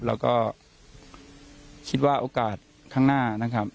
แล้วก็คิดว่าโอกาสข้างหน้านะครับ